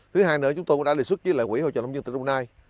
thứ hai nữa chúng tôi cũng đã lịch xuất với lại quỹ hỗ trợ nông dân từ hôm nay